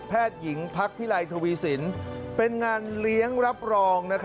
หญิงพักพิไลทวีสินเป็นงานเลี้ยงรับรอง